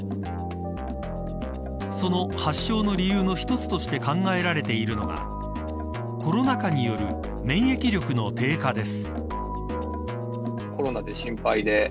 その発症の理由の一つとして考えられているのがコロナ禍による免疫力の低下です。